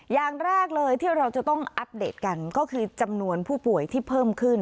อย่างแรกเลยที่เราจะต้องอัปเดตกันก็คือจำนวนผู้ป่วยที่เพิ่มขึ้น